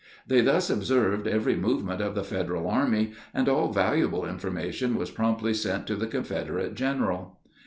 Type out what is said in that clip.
They thus observed every movement of the Federal army, and all valuable information was promptly sent to the Confederate general.